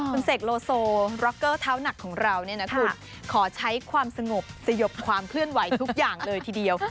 คุณเสกโลโซร็อกเกอร์เท้าหนักของเราเนี่ยนะคุณขอใช้ความสงบสยบความเคลื่อนไหวทุกอย่างเลยทีเดียว